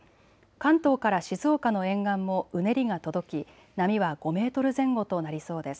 関東から静岡の沿岸もうねりが届き波は５メートル前後となりそうです。